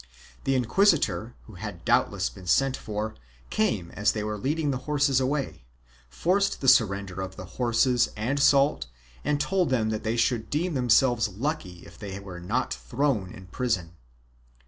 The inquisitor, who had doubtless been sent for, came as they were leading the horses away, forced the surrender of the horses and salt and told them that they should deem themselves lucky if they were not thrown in prison.